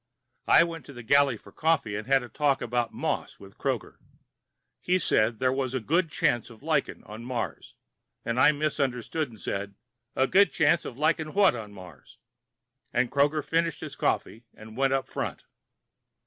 I went to the galley for coffee and had a talk about moss with Kroger. He said there was a good chance of lichen on Mars, and I misunderstood and said, "A good chance of liking what on Mars?" and Kroger finished his coffee and went up front.